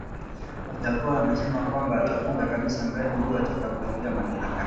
Wajackoya amesema kwamba atafunga kabisa mradi huo atakapoingia madarakani